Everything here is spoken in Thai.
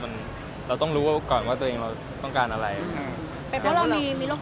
เป็นเพราะออกเรามีโลกส่วนตัวเท่ากันได้ไหม